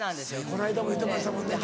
この間も言うてましたもんね。